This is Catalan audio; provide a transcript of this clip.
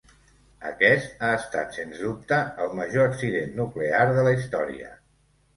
Aquest ha estat, sens dubte, el major accident nuclear de la història.